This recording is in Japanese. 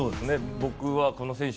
僕はこの選手